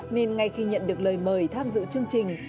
nên ngay khi nhận được lời mời tham dự chương trình